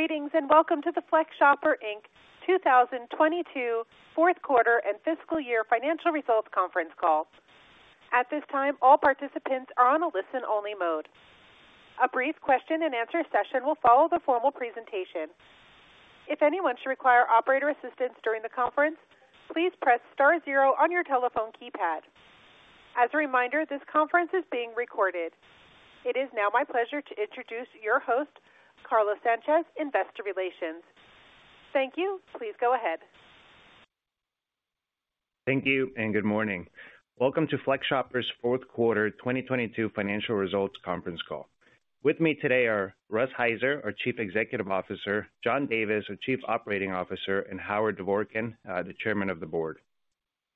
Greetings. Welcome to the FlexShopper Inc. 2022 Q4 and Fiscal Year Financial Results Conference Call. At this time, all participants are on a listen only mode. A brief question and answer session will follow the formal presentation. If anyone should require operator assistance during the conference, please press star zero on your telephone keypad. As a reminder, this conference is being recorded. It is now my pleasure to introduce your host, Carlos Sanchez, Investor Relations. Thank you. Please go ahead. Thank you. Good morning. Welcome to FlexShopper's Q4 2022 financial results conference call. With me today are Russ Heiser, our Chief Executive Officer, John Davis, our Chief Operating Officer, and Howard Dvorkin, the Chairman of the Board.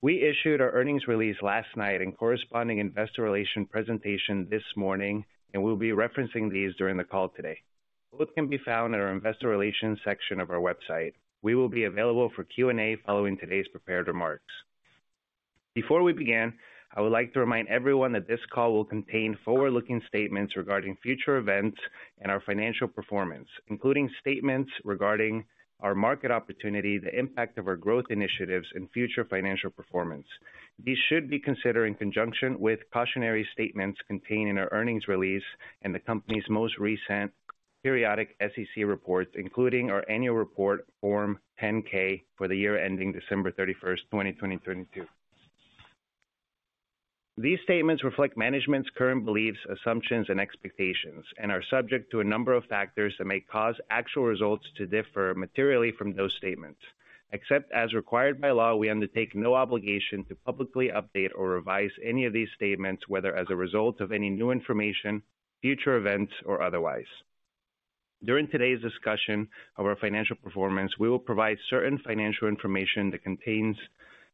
We issued our earnings release last night and corresponding investor relations presentation this morning. We'll be referencing these during the call today, which can be found in our investor relations section of our website. We will be available for Q&A following today's prepared remarks. Before we begin, I would like to remind everyone that this call will contain forward-looking statements regarding future events and our financial performance, including statements regarding our market opportunity, the impact of our growth initiatives, and future financial performance. These should be considered in conjunction with cautionary statements contained in our earnings release and the company's most recent periodic SEC reports, including our annual report, Form 10-K, for the year ending 31 December 2022. These statements reflect management's current beliefs, assumptions, and expectations and are subject to a number of factors that may cause actual results to differ materially from those statements. Except as required by law, we undertake no obligation to publicly update or revise any of these statements, whether as a result of any new information, future events, or otherwise. During today's discussion of our financial performance, we will provide certain financial information that contains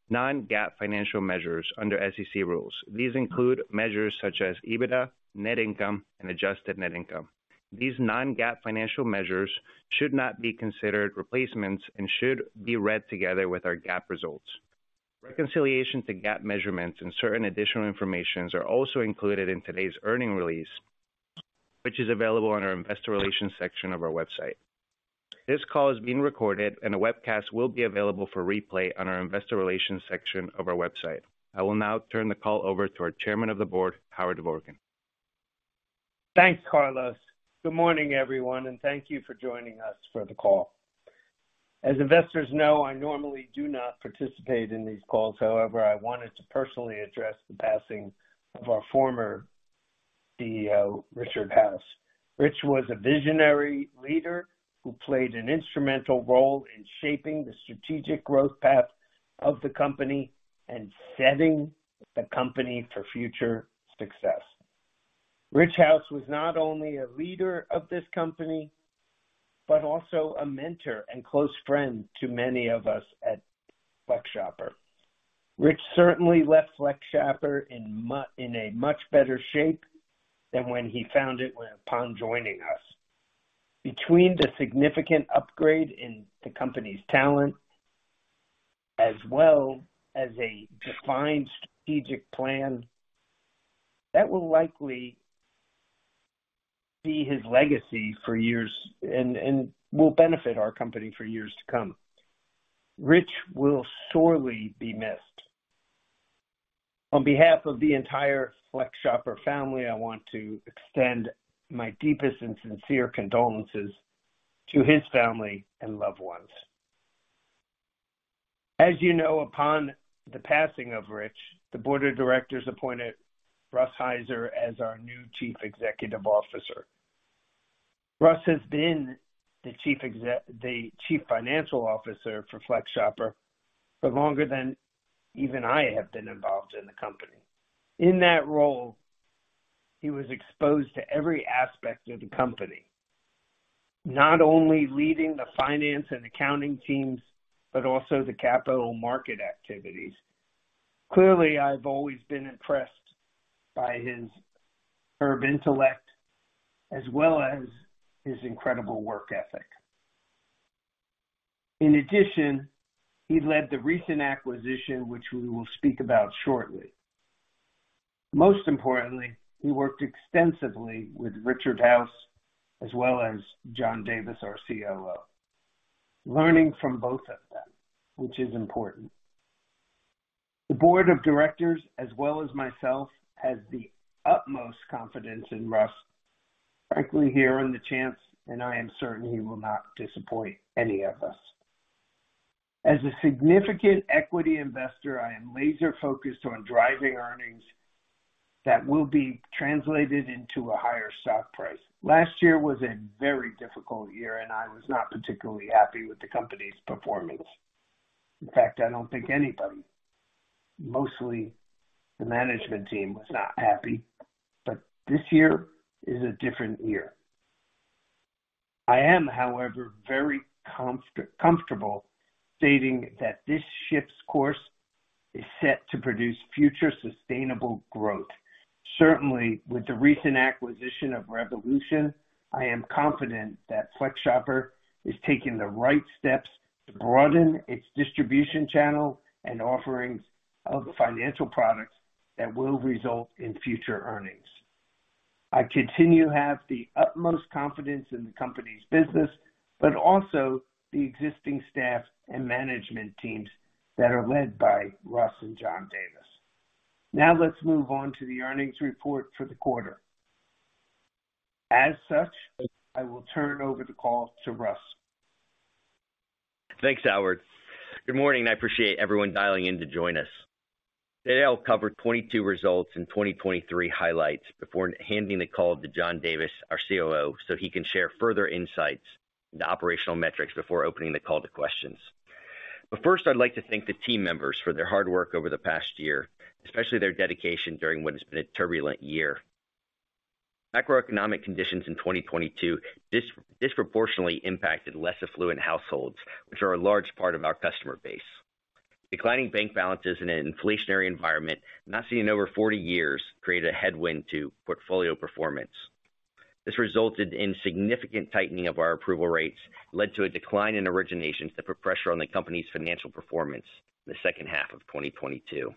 non-GAAP financial measures under SEC rules. These include measures such as EBITDA, net income, and adjusted net income. These non-GAAP financial measures should not be considered replacements and should be read together with our GAAP results. Reconciliation to GAAP measurements and certain additional information are also included in today's earnings release, which is available on our Investor Relations section of our website. This call is being recorded, and a webcast will be available for replay on our Investor Relations section of our website. I will now turn the call over to our Chairman of the Board, Howard Dvorkin. Thanks, Carlos. Good morning, everyone. Thank you for joining us for the call. As investors know, I normally do not participate in these calls. I wanted to personally address the passing of our former CEO, Richard House. Rich was a visionary leader who played an instrumental role in shaping the strategic growth path of the company and setting the company for future success. Rich House was not only a leader of this company, but also a mentor and close friend to many of us at FlexShopper. Rich certainly left FlexShopper in a much better shape than when he found it upon joining us. Between the significant upgrade in the company's talent, as well as a defined strategic plan, that will likely be his legacy for years and will benefit our company for years to come. Rich will sorely be missed. On behalf of the entire FlexShopper family, I want to extend my deepest and sincere condolences to his family and loved ones. As you know, upon the passing of Rich, the board of directors appointed Russ Heiser as our new Chief Executive Officer. Russ has been the Chief Financial Officer for FlexShopper for longer than even I have been involved in the company. In that role, he was exposed to every aspect of the company, not only leading the finance and accounting teams, but also the capital market activities. Clearly, I've always been impressed by his sharp intellect as well as his incredible work ethic. In addition, he led the recent acquisition, which we will speak about shortly. Most importantly, he worked extensively with Richard House as well as John Davis, our COO, learning from both of them, which is important. The board of directors, as well as myself, has the utmost confidence in Russ. Frankly, he earned the chance, and I am certain he will not disappoint any of us. As a significant equity investor, I am laser focused on driving earnings that will be translated into a higher stock price. Last year was a very difficult year, and I was not particularly happy with the company's performance. In fact, I don't think anybody. Mostly the management team was not happy. This year is a different year. I am, however, very comfortable stating that this ship's course is set to produce future sustainable growth. Certainly, with the recent acquisition of Revolution, I am confident that FlexShopper is taking the right steps to broaden its distribution channel and offerings of financial products. That will result in future earnings. I continue to have the utmost confidence in the company's business, but also the existing staff and management teams that are led by Russ and John Davis. Now let's move on to the earnings report for the quarter. As such, I will turn over the call to Russ. Thanks, Howard. Good morning, I appreciate everyone dialing in to join us. Today, I'll cover 2022 results and 2023 highlights before handing the call to John Davis, our COO, he can share further insights into operational metrics before opening the call to questions. First, I'd like to thank the team members for their hard work over the past year, especially their dedication during what has been a turbulent year. Macroeconomic conditions in 2022 disproportionately impacted less affluent households, which are a large part of our customer base. Declining bank balances in an inflationary environment not seen in over 40 years, created a headwind to portfolio performance. This resulted in significant tightening of our approval rates, led to a decline in originations that put pressure on the company's financial performance in the second half of 2022.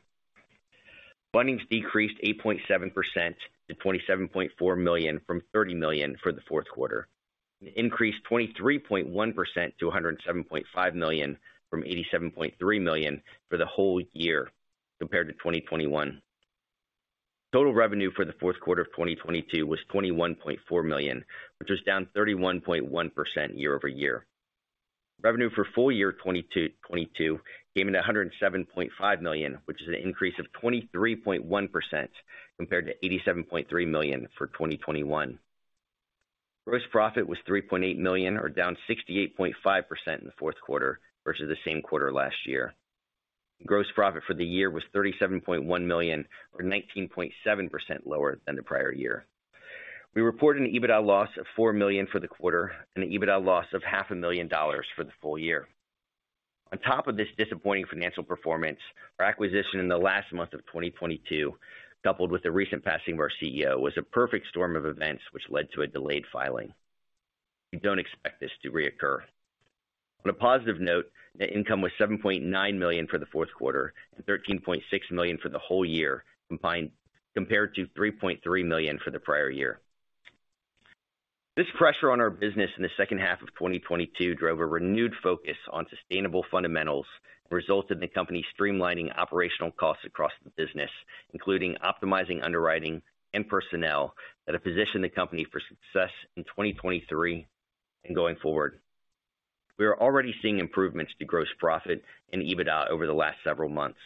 Fundings decreased 8.7% to $27.4 million from $30 million for the Q4. It increased 23.1% to $107.5 million from $87.3 million for the whole year compared to 2021. Total revenue for the Q4 of 2022 was $21.4 million, which was down 31.1% year-over-year. Revenue for full year 2022 came in at $107.5 million, which is an increase of 23.1% compared to $87.3 million for 2021. Gross profit was $3.8 million or down 68.5% in the Q4 versus the same quarter last year. Gross profit for the year was $37.1 million, or 19.7% lower than the prior year. We reported an EBITDA loss of $4 million for the quarter and an EBITDA loss of half a million dollars for the full year. On top of this disappointing financial performance, our acquisition in the last month of 2022, coupled with the recent passing of our CEO, was a perfect storm of events which led to a delayed filing. We don't expect this to reoccur. On a positive note, net income was $7.9 million for the Q4 and $13.6 million for the whole year, combined compared to $3.3 million for the prior year. This pressure on our business in the second half of 2022 drove a renewed focus on sustainable fundamentals and resulted in the company streamlining operational costs across the business, including optimizing underwriting and personnel that have positioned the company for success in 2023 and going forward. We are already seeing improvements to gross profit and EBITDA over the last several months.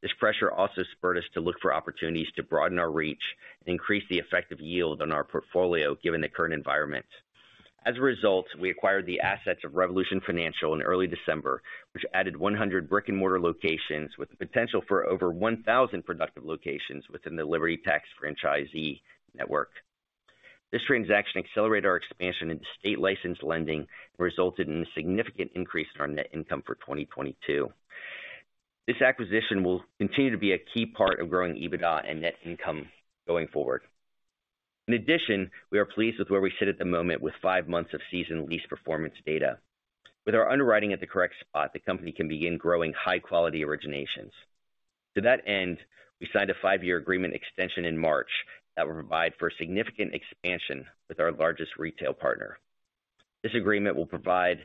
This pressure also spurred us to look for opportunities to broaden our reach and increase the effective yield on our portfolio, given the current environment. As a result, we acquired the assets of Revolution Financial in early December, which added 100 brick-and-mortar locations with the potential for over 1,000 productive locations within the Liberty Tax franchisee network. This transaction accelerated our expansion into state-licensed lending and resulted in a significant increase in our net income for 2022. This acquisition will continue to be a key part of growing EBITDA and net income going forward. We are pleased with where we sit at the moment with five months of season lease performance data. With our underwriting at the correct spot, the company can begin growing high-quality originations. To that end, we signed a five-year agreement extension in March that will provide for a significant expansion with our largest retail partner. This agreement will provide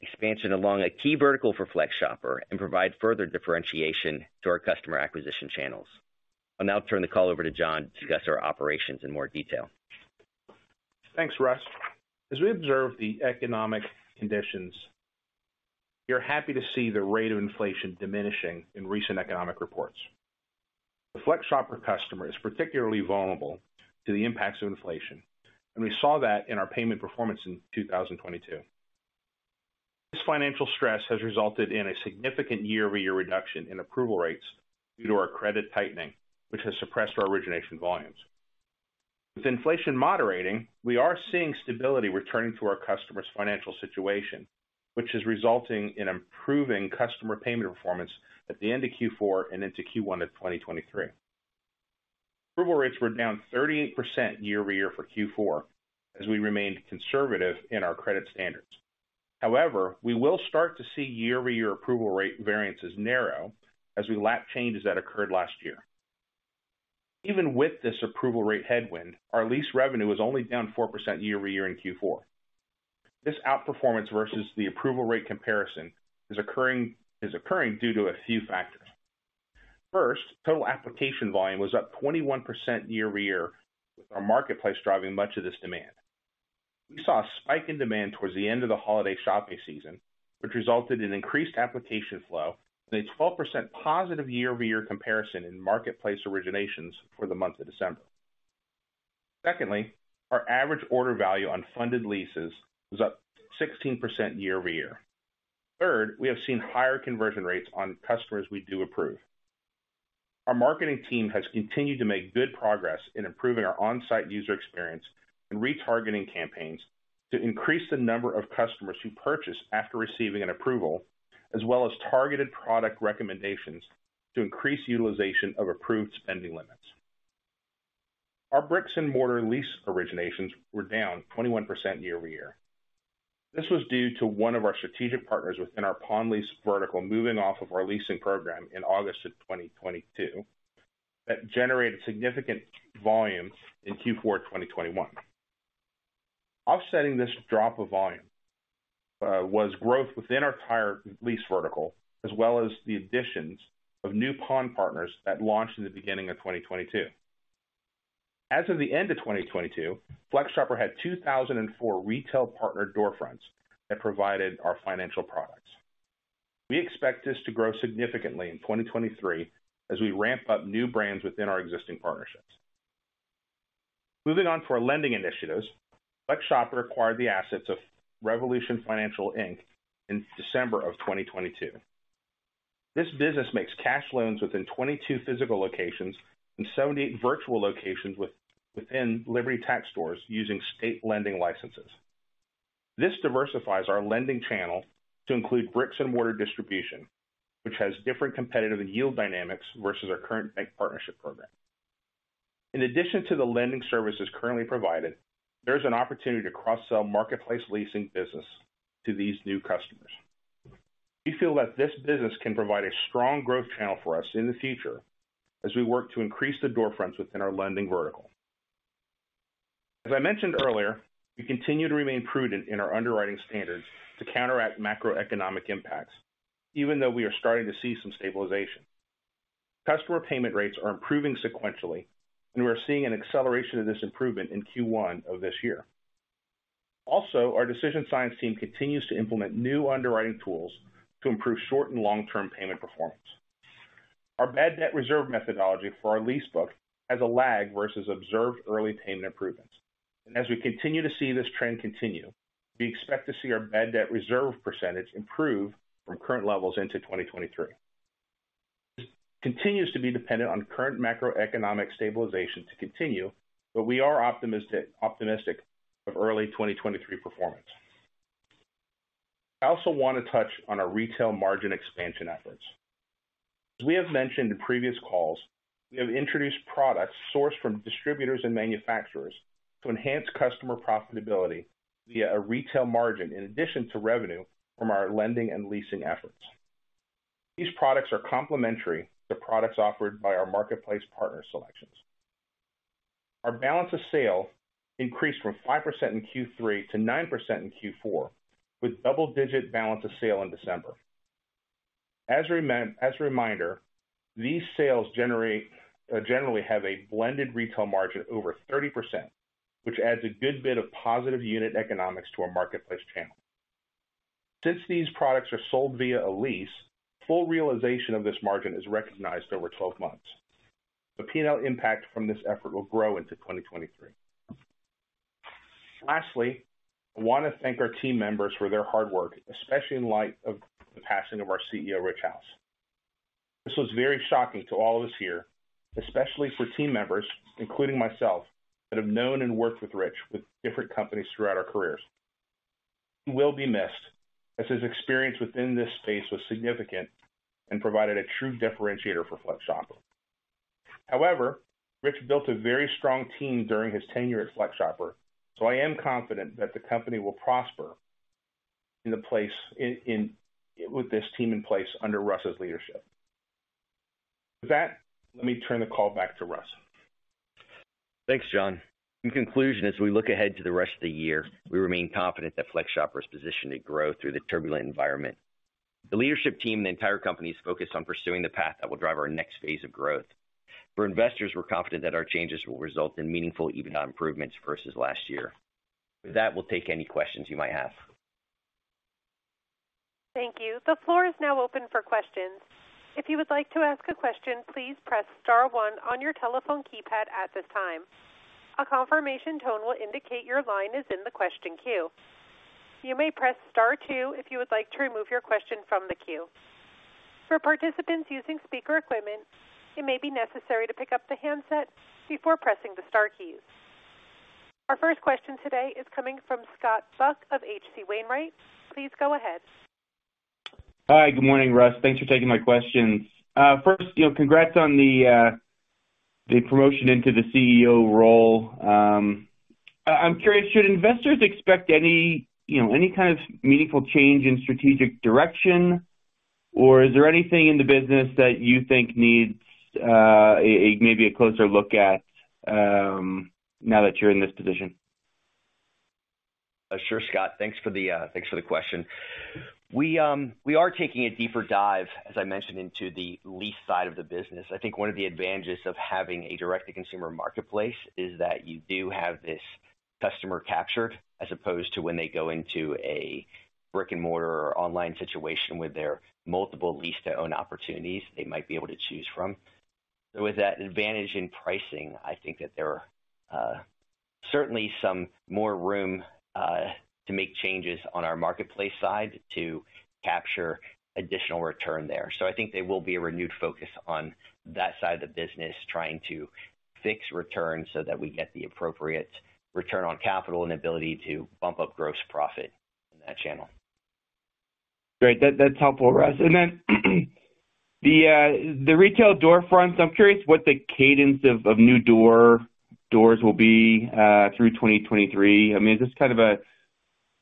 expansion along a key vertical for FlexShopper and provide further differentiation to our customer acquisition channels. I'll now turn the call over to John to discuss our operations in more detail. Thanks, Russ. As we observe the economic conditions, we are happy to see the rate of inflation diminishing in recent economic reports. The FlexShopper customer is particularly vulnerable to the impacts of inflation, and we saw that in our payment performance in 2022. This financial stress has resulted in a significant year-over-year reduction in approval rates due to our credit tightening, which has suppressed our origination volumes. With inflation moderating, we are seeing stability returning to our customers' financial situation, which is resulting in improving customer payment performance at the end of Q4 and into Q1 of 2023. Approval rates were down 38% year-over-year for Q4 as we remained conservative in our credit standards. However, we will start to see year-over-year approval rate variances narrow as we lap changes that occurred last year. Even with this approval rate headwind, our lease revenue is only down 4% year-over-year in Q4. This outperformance versus the approval rate comparison is occurring due to a few factors. First, total application volume was up 21% year-over-year, with our marketplace driving much of this demand. We saw a spike in demand towards the end of the holiday shopping season, which resulted in increased application flow and a 12% positive year-over-year comparison in marketplace originations for the month of December. Secondly, our average order value on funded leases was up 16% year-over-year. Third, we have seen higher conversion rates on customers we do approve. Our marketing team has continued to make good progress in improving our on-site user experience and retargeting campaigns to increase the number of customers who purchase after receiving an approval, as well as targeted product recommendations to increase utilization of approved spending limits. Our bricks-and-mortar lease originations were down 21% year-over-year. This was due to one of our strategic partners within our pawn lease vertical moving off of our leasing program in August of 2022 that generated significant volumes in Q4 2021. Offsetting this drop of volume was growth within our tire lease vertical, as well as the additions of new pawn partners that launched in the beginning of 2022. As of the end of 2022, FlexShopper had 2,004 retail partner door fronts that provided our financial products. We expect this to grow significantly in 2023 as we ramp up new brands within our existing partnerships. Moving on to our lending initiatives. FlexShopper acquired the assets of Revolution Financial Inc. in December of 2022. This business makes cash loans within 22 physical locations and 78 virtual locations within Liberty Tax stores using state lending licenses. This diversifies our lending channel to include bricks and mortar distribution, which has different competitive and yield dynamics versus our current bank partnership program. In addition to the lending services currently provided, there's an opportunity to cross-sell marketplace leasing business to these new customers. We feel that this business can provide a strong growth channel for us in the future as we work to increase the door fronts within our lending vertical. As I mentioned earlier, we continue to remain prudent in our underwriting standards to counteract macroeconomic impacts, even though we are starting to see some stabilization. Customer payment rates are improving sequentially, and we are seeing an acceleration of this improvement in Q1 of this year. Also, our decision science team continues to implement new underwriting tools to improve short and long-term payment performance. Our bad debt reserve methodology for our lease book has a lag versus observed early payment improvements. As we continue to see this trend continue, we expect to see our bad debt reserve percentage improve from current levels into 2023. This continues to be dependent on current macroeconomic stabilization to continue, but we are optimistic of early 2023 performance. I also want to touch on our retail margin expansion efforts. As we have mentioned in previous calls, we have introduced products sourced from distributors and manufacturers to enhance customer profitability via a retail margin in addition to revenue from our lending and leasing efforts. These products are complementary to products offered by our marketplace partner selections. Our balance of sale increased from 5% in Q3 to 9% in Q4, with double-digit balance of sale in December. As a reminder, these sales generally have a blended retail margin over 30%, which adds a good bit of positive unit economics to our marketplace channel. Since these products are sold via a lease, full realization of this margin is recognized over 12 months. The P&L impact from this effort will grow into 2023. Lastly, I want to thank our team members for their hard work, especially in light of the passing of our CEO, Rich House. This was very shocking to all of us here, especially for team members, including myself, that have known and worked with Rich with different companies throughout our careers. He will be missed, as his experience within this space was significant and provided a true differentiator for FlexShopper. Rich built a very strong team during his tenure at FlexShopper, so I am confident that the company will prosper with this team in place under Russ's leadership. With that, let me turn the call back to Russ. Thanks, John. In conclusion, as we look ahead to the rest of the year, we remain confident that FlexShopper is positioned to grow through the turbulent environment. The leadership team and the entire company is focused on pursuing the path that will drive our next phase of growth. For investors, we're confident that our changes will result in meaningful EBITDA improvements versus last year. With that, we'll take any questions you might have. Thank you. The floor is now open for questions. If you would like to ask a question, please press star one on your telephone keypad at this time. A confirmation tone will indicate your line is in the question queue. You may press star two if you would like to remove your question from the queue. For participants using speaker equipment, it may be necessary to pick up the handset before pressing the star keys. Our first question today is coming from Scott Buck of H.C. Wainwright. Please go ahead. Hi. Good morning, Russ. Thanks for taking my questions. First, you know, congrats on the promotion into the CEO role. I'm curious, should investors expect any, you know, any kind of meaningful change in strategic direction, or is there anything in the business that you think needs a maybe a closer look at now that you're in this position? Sure, Scott. Thanks for the question. We are taking a deeper dive, as I mentioned, into the lease side of the business. I think one of the advantages of having a direct-to-consumer marketplace is that you do have this customer captured as opposed to when they go into a brick-and-mortar or online situation where there are multiple lease-to-own opportunities they might be able to choose from. With that advantage in pricing, I think that there are certainly some more room to make changes on our marketplace side to capture additional return there. I think there will be a renewed focus on that side of the business, trying to fix returns so that we get the appropriate return on capital and ability to bump up gross profit in that channel. Great. That's helpful, Russ. Then the retail door fronts, I'm curious what the cadence of new doors will be through 2023. I mean, is this kind of a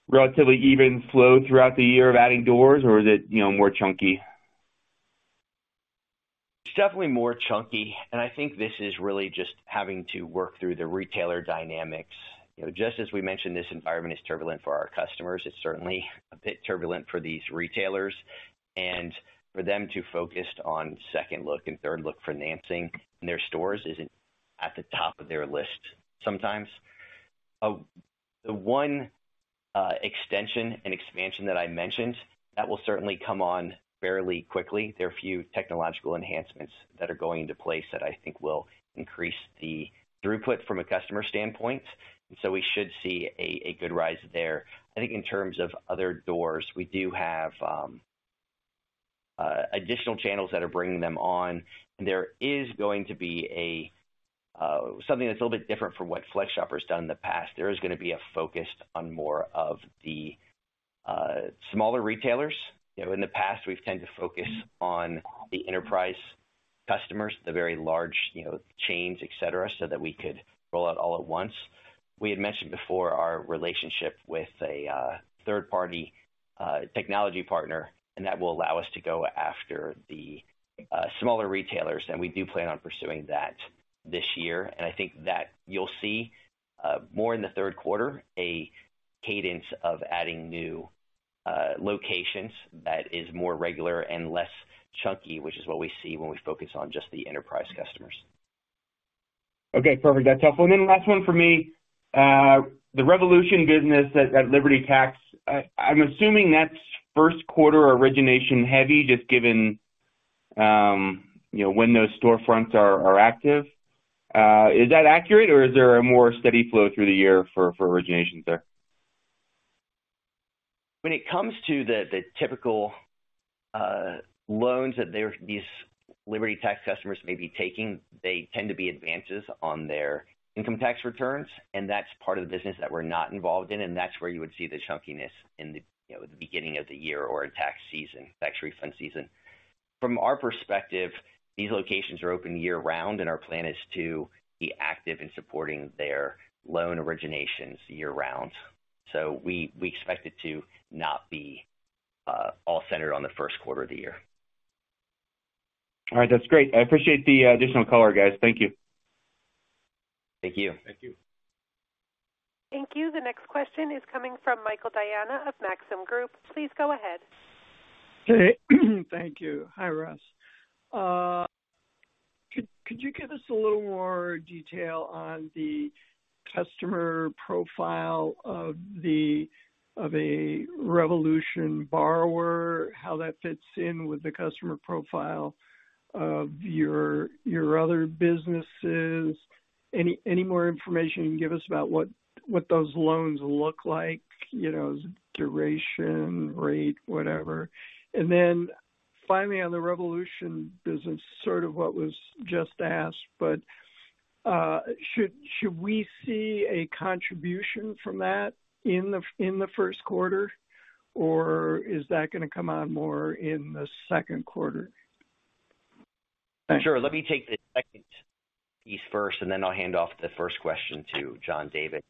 relatively even flow throughout the year of adding doors, or is it, you know, more chunky? It's definitely more chunky, and I think this is really just having to work through the retailer dynamics. You know, just as we mentioned, this environment is turbulent for our customers. It's certainly a bit turbulent for these retailers, and for them too focused on second look and third look financing in their stores isn't at the top of their list sometimes. The one extension and expansion that I mentioned, that will certainly come on fairly quickly. There are a few technological enhancements that are going into place that I think will increase the throughput from a customer standpoint. We should see a good rise there. I think in terms of other doors, we do have additional channels that are bringing them on. There is going to be something that's a little bit different from what FlexShopper has done in the past. There is gonna be a focus on more of the smaller retailers. You know, in the past, we've tended to focus on the enterprise customers, the very large, you know, chains, et cetera, so that we could roll out all at once. We had mentioned before our relationship with a third party technology partner, and that will allow us to go after the smaller retailers, and we do plan on pursuing that this year. I think that you'll see more in the Q3, a cadence of adding new locations that is more regular and less chunky, which is what we see when we focus on just the enterprise customers. Okay, perfect. That's helpful. Last one for me. The Revolution business at Liberty Tax, I'm assuming that's Q1 origination heavy, just given, you know, when those storefronts are active. Is that accurate, or is there a more steady flow through the year for originations there? When it comes to the typical, loans that these Liberty Tax customers may be taking, they tend to be advances on their income tax returns. That's part of the business that we're not involved in. That's where you would see the chunkiness in the, you know, the beginning of the year or in tax season, tax refund season. From our perspective, these locations are open year-round, and our plan is to be active in supporting their loan originations year-round. We expect it to not be all centered on the Q1 of the year. All right. That's great. I appreciate the additional color, guys. Thank you. Thank you. Thank you. Thank you. The next question is coming from Michael Diana of Maxim Group. Please go ahead. Okay. Thank you. Hi, Russ. could you give us a little more detail on the customer profile of a Revolution borrower, how that fits in with the customer profile of your other businesses? Any more information you can give us about what those loans look like, you know, duration, rate, whatever. Finally, on the Revolution business, sort of what was just asked, should we see a contribution from that in the Q1, or is that gonna come on more in the Q2? Sure. Let me take the second piece first, and then I'll hand off the first question to John Davis.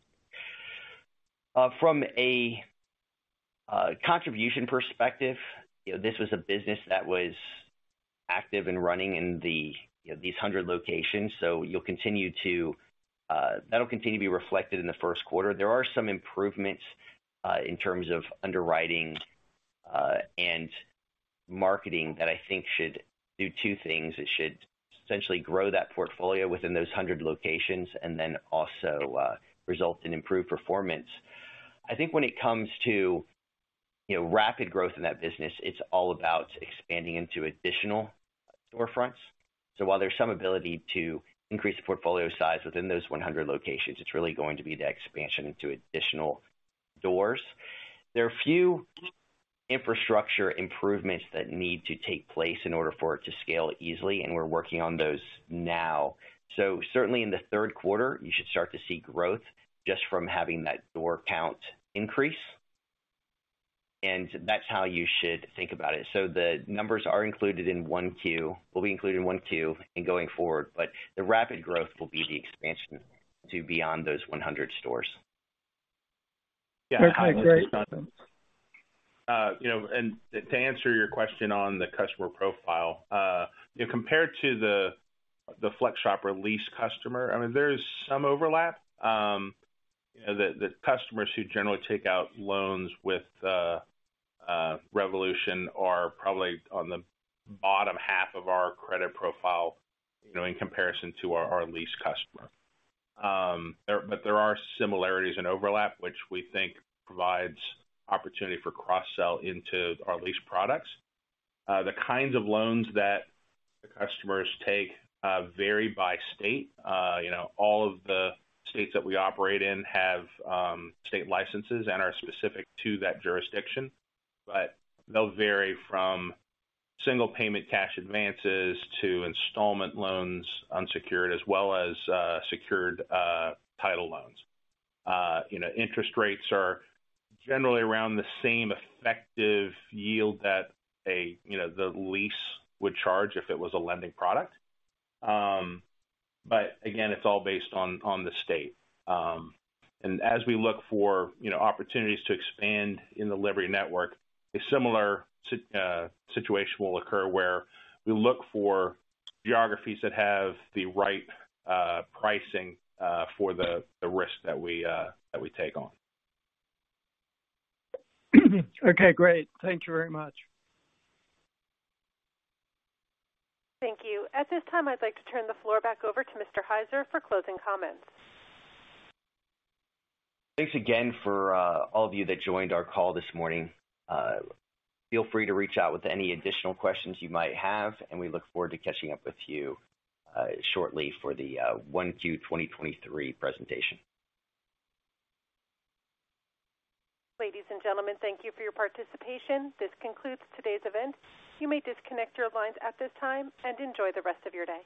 From a contribution perspective, you know, this was a business that was active and running in these 100 locations. You'll continue to, that'll continue to be reflected in the Q1. There are some improvements in terms of underwriting and marketing that I think should do two things. It should essentially grow that portfolio within those 100 locations and then also result in improved performance. I think when it comes to, you know, rapid growth in that business, it's all about expanding into additional storefronts. While there's some ability to increase the portfolio size within those 100 locations, it's really going to be the expansion into additional doors. There are a few infrastructure improvements that need to take place in order for it to scale easily, and we're working on those now. Certainly in the Q3, you should start to see growth just from having that door count increase, and that's how you should think about it. The numbers are included in Q1, will be included in Q1 and going forward, but the rapid growth will be the expansion to beyond those 100 stores. Okay, great. Yeah. Thanks. To answer your question on the customer profile, you know, compared to the FlexShopper lease customer, I mean, there is some overlap. You know, the customers who generally take out loans with Revolution are probably on the bottom half of our credit profile, you know, in comparison to our lease customer. There are similarities and overlap, which we think provides opportunity for cross-sell into our lease products. The kinds of loans that the customers take vary by state. You know, all of the states that we operate in have state licenses and are specific to that jurisdiction, but they'll vary from single payment cash advances to installment loans, unsecured as well as secured title loans. you know, interest rates are generally around the same effective yield that a, you know, the lease would charge if it was a lending product. Again, it's all based on the state. As we look for, you know, opportunities to expand in the Liberty network, a similar situation will occur where we look for geographies that have the right pricing for the risk that we that we take on. Okay, great. Thank you very much. Thank you. At this time, I'd like to turn the floor back over to Mr. Heiser for closing comments. Thanks again for all of you that joined our call this morning. Feel free to reach out with any additional questions you might have, and we look forward to catching up with you shortly for the Q1 2023 presentation. Ladies and gentlemen, thank you for your participation. This concludes today's event. You may disconnect your lines at this time and enjoy the rest of your day.